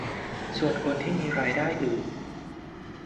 ส่วนคนที่มีรายได้อื่น